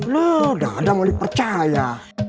loh dadang mau dipercaya